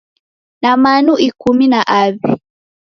Na manu ikumi na aw'i.